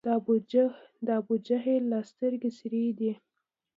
د ابوجهل لا سترګي سرې دي